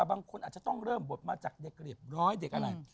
บางคนอาจจะต้องเริ่มบทมาจากเด็กเรียบร้อยเด็กอะไร